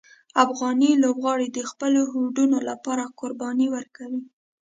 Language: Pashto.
افغان لوبغاړي د خپلو هوډونو لپاره قربانۍ ورکوي.